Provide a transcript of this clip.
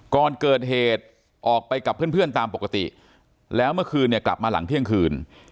ก่อนเกิดเหตุออกไปกับเพื่อนตามปกติแล้วเมื่อคืนเนี่ยกลับมาหลังเที่ยงคืน